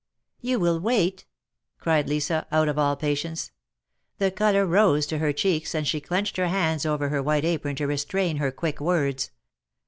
" You will wait !" cried Lisa, out of all patience. The color rose to her cheeks, and she clenched her hands THE MARKETS OF PARIS. 97 over her white apron to restrain her quick words.